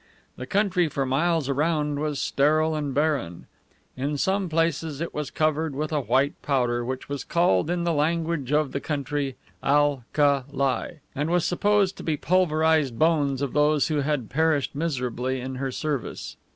The country for miles around was sterile and barren. In some places it was covered with a white powder, which was called in the language of the country AL KA LI, and was supposed to be the pulverized bones of those who had perished miserably in her service.